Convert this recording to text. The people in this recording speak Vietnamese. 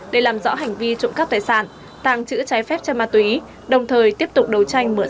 để làm rõ hành vi trộm cắp tài sản tàng trữ trái phép cho ma túy đồng thời tiếp tục đấu tranh mở rộng